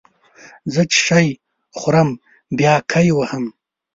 زه چې شی خورم بیا کای وهم